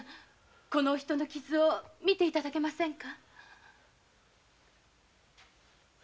この人の傷を診ていただけませんか。